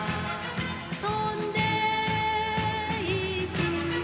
とんでいく